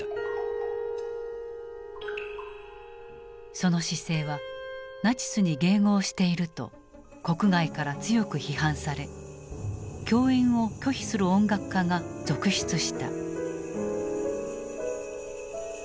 その姿勢はナチスに迎合していると国外から強く批判され共演を拒否する音楽家が続出した。